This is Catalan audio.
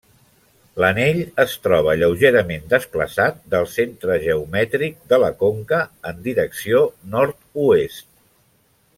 L'anell es troba lleugerament desplaçat del centre geomètric de la conca en direcció nord-oest.